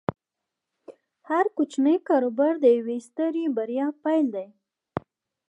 هر کوچنی کاروبار د یوې سترې بریا پیل دی۔